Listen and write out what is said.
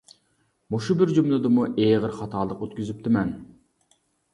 مۇشۇ بىر جۈملىدىمۇ ئېغىر خاتالىق ئۆتكۈزۈپتىمەن.